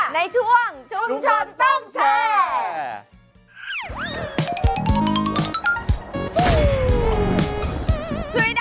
ในช่วงชุมชนต้องแชร์